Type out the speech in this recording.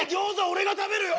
俺が食べるよ！